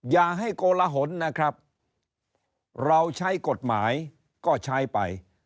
อย่าให้โกลหนนะครับเราใช้กฎหมายก็ใช้ไป